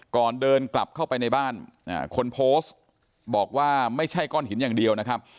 ก่อนเดินกลับเข้าไปในบ้านคนโพสต์บอกว่าไม่ใช่ก้อนหินอย่างเดียวนะครับ